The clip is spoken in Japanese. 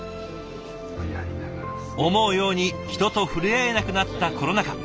思うように人と触れ合えなくなったコロナ禍。